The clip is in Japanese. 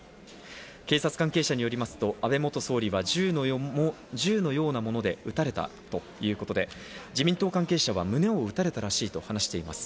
警察関係者によりますと、安倍総理は銃のようなもので撃たれたということで、自民党関係者は胸を撃たれたらしいと話しています。